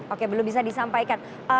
oke belum bisa disampaikan